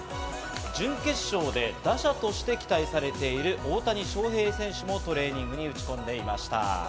準決勝で打者として期待されている大谷翔平選手もトレーニングに打ち込んでいました。